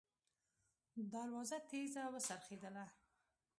دروازه تېزه وڅرخېدله.